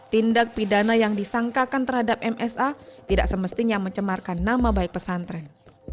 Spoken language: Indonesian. tindak pidana yang disangkakan terhadap msa tidak semestinya mencemarkan nama baik pesantren